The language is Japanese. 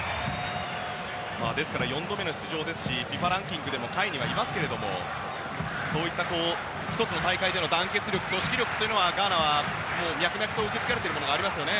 ですから４度目の出場ですしＦＩＦＡランキングでも下位にはいますけれどもそういった１つの大会での団結力や組織力はガーナは脈々と受け継がれているものがありますね。